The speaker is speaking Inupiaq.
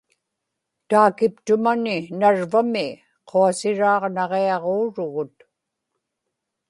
taakiptumani narvami quasiraaġnaġiaġuurugut